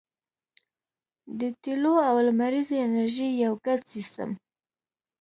د تیلو او لمریزې انرژۍ یو ګډ سیستم